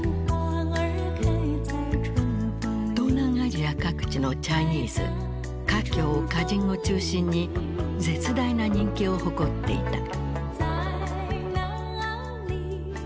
東南アジア各地のチャイニーズ華僑華人を中心に絶大な人気を誇っていた。